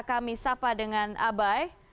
kami sapa dengan abai